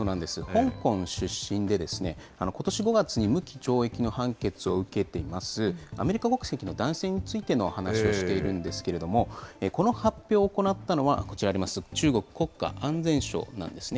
香港出身で、ことし５月に無期懲役の判決を受けています、アメリカ国籍の男性についての話をしているんですけれども、この発表を行ったのは、こちらにあります、中国国家安全省なんですね。